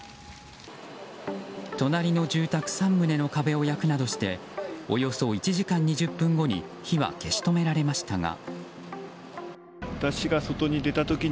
隣の住宅３棟の壁を焼くなどしておよそ１時間２０分後に火は消し止められましたが。